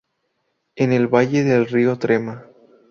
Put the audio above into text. En el valle del río Trema.